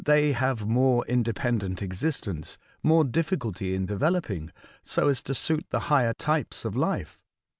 they have more independent existence, — more difficulty in developing, so as to suit the higher types of life.